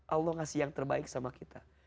allah ngasih yang terbaik sama kita